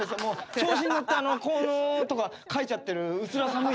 調子に乗って効能とか書いちゃってる薄ら寒い。